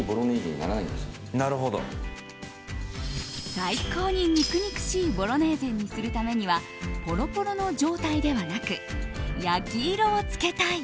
最高に肉々しいボロネーゼにするためにはポロポロの状態ではなく焼き色をつけたい！